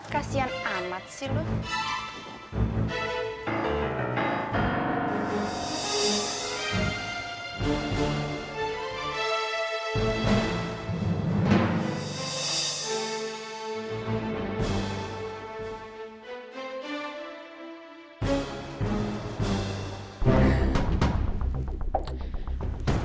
kasian amat sih lu